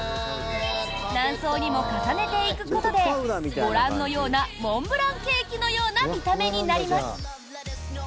何層にも重ねていくことでご覧のようなモンブランケーキのような見た目になります。